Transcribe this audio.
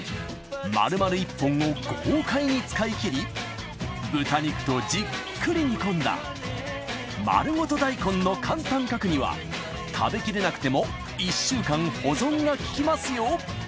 丸々１本を豪快に使い切り豚肉とじっくり煮込んだ丸ごと大根の簡単角煮は食べ切れなくても１週間保存がききますよ。